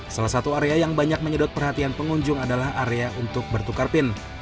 salah satu area yang banyak menyedot perhatian pengunjung adalah area untuk bertukar pin